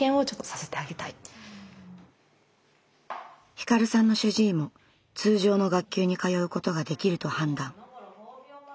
ひかるさんの主治医も通常の学級に通うことができると判断。